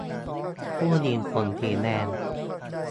ผู้หญิงผมสีแดง !